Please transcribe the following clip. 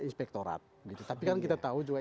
inspektorat tapi kan kita tahu juga